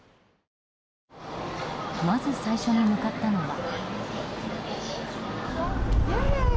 まず最初に向かったのは。